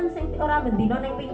sekitar sepuluh orang yang berpikir